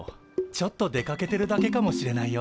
ちょっと出かけてるだけかもしれないよ。